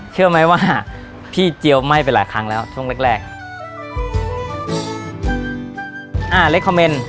เชื่อไหมว่าพี่เจียวไหม้ไปหลายครั้งแล้วช่วงแรกแรก